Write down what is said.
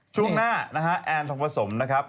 ช่วงหน้านะฮะแอนด์ทองประสงค์นะครับ